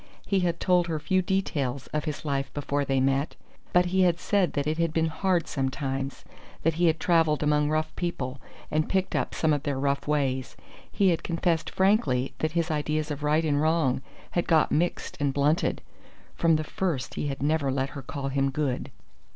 He had told her few details of his life before they met, but he had said that it had been hard sometimes, that he had travelled among rough people, and picked up some of their rough ways. He had confessed frankly that his ideas of right and wrong had got mixed and blunted. From the first he had never let her call him good.